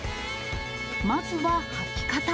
まずは、はき方。